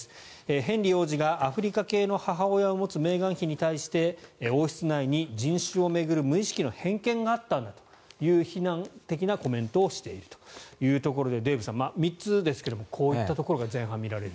ヘンリー王子がアフリカ系の母親を持つメーガン妃に対して王室内に人種を巡る無意識の偏見があったんだという非難的なコメントをしているというところでデーブさん、３つですがこういったところが前半見られると。